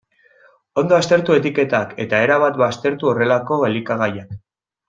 Ondo aztertu etiketak, eta erabat baztertu horrelako elikagaiak.